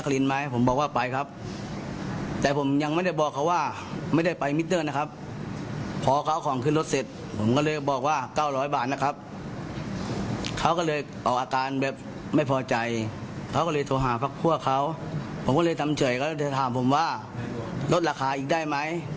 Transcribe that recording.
แล้วนายเจ้าหาผมว่ารถราคาอีกได้ไหม